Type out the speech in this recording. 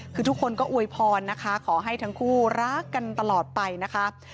คือทุกคนก็อวยพรนะคะขอให้ทั้งคู่รักกันตลอดไปนะคะ